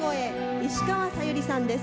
石川さゆりさんです。